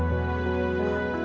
buat nanyain keadaan mamanya